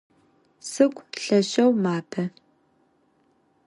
Сыгу лъэшэу мапэ.